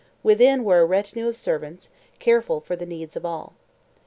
Within were a retinue of servants, careful for the needs of all.